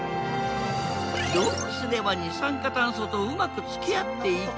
どうすれば二酸化炭素とうまくつきあっていけるか。